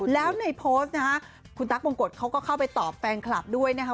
แล้วในโพสต์นะคะคุณตั๊กมงกฎเขาก็เข้าไปตอบแฟนคลับด้วยนะคะ